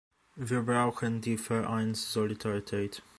Wir brauchen die Vereinssolidarität.